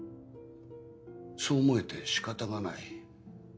そう思えてしかたがない。